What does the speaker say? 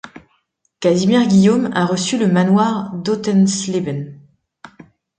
Casimir Guillaume a reçu le manoir d'Hötensleben.